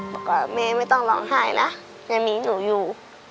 บอกว่าแม่ไม่ต้องร้องไห้นะยังมีหนูอยู่